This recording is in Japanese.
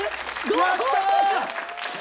やったー！